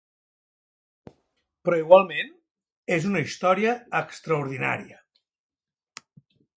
Però igualment, és una història extraordinària.